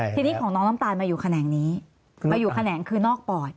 ทีนี้ของน้องน้ำตาลมาอยู่แขนงนี้มาอยู่แขนงคือนอกปอด